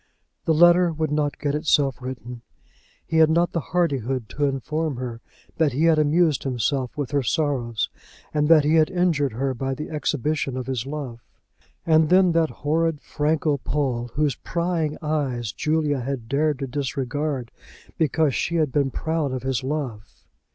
The letter would not get itself written. He had not the hardihood to inform her that he had amused himself with her sorrows, and that he had injured her by the exhibition of his love. And then that horrid Franco Pole, whose prying eyes Julia had dared to disregard, because she had been proud of his love!